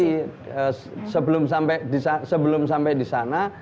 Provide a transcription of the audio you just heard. tapi sebelum sampai di sana